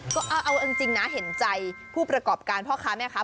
ก็เอาจริงนะเห็นใจผู้ประกอบการพ่อค้าแม่ค้า